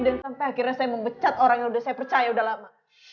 dan sampai akhirnya saya memecat orang yang sudah saya percaya sudah lama